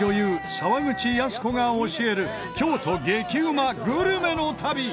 沢口靖子が教える京都激うまグルメの旅。